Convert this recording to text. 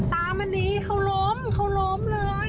ตามันนี้เขาล้มเลย